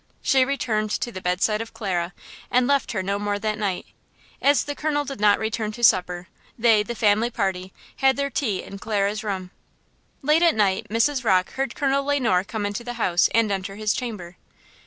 She returned to the bedside of Clara, and left her no more that night. As the colonel did not return to supper, they, the family party, had their tea in Clara's room. Late at night Mrs. Rocke heard Colonel Le Noir come into the house and enter his chamber.